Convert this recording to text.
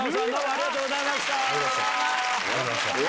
ありがとうございます。